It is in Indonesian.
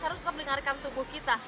harus terpelingarkan tubuh kita